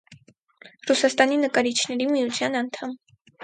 Ռուսաստանի նկարիչների միության անդամ։